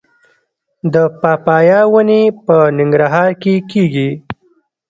د پاپایا ونې په ننګرهار کې کیږي؟